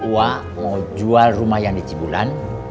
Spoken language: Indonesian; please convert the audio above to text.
wah mau jual rumah yang di cibulan